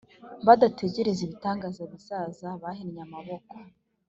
Badategereza ibitangaza bizaza bahinnye amaboko